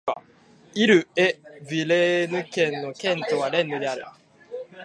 イル＝エ＝ヴィレーヌ県の県都はレンヌである